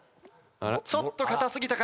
ちょっと硬すぎたか？